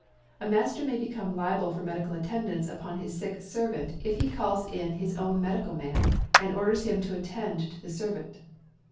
A Master may bacome liable for Medical Attendance upon his sick servant if he calls in his own medical man, and orders him to attend to the servant.